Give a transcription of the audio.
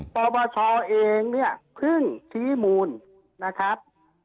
ปปชเองเนี่ยเพิ่งชี้มูลนะครับ